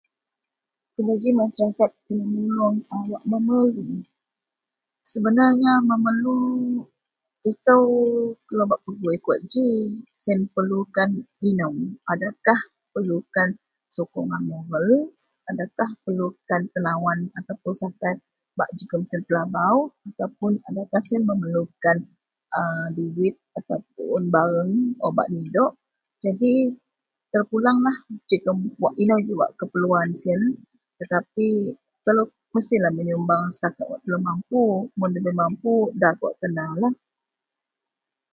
Kubaji maseraket kena menuluong a wak memerlu, sebenarnya memerlu itou telou bak pegui kawak ji, siyen perlukan inou adakah perlukan sokongan moral adakah perlukan tenawan ataupuun sakai bak jegem siyen telabau ataupuun adakah siyen memerlukan a duwit ataupuun bareng wak bak nidok jadi terpuleanglah jegem wak inou ji wak keperluan siyen tetapi telou mestilah menyumbang setaket wak telou mampu, mun nda mampu nda kawak kena lah